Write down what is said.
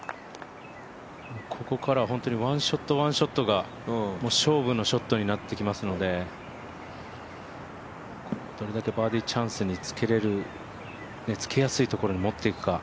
ここからは本当に１ショット１ショットが勝負のショットになってきますのでどれだけバーディーチャンスにつけやすいところに持っていくか。